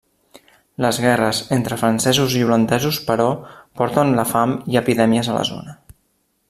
Les guerres entre francesos i holandesos, però, porten la fam i epidèmies a la zona.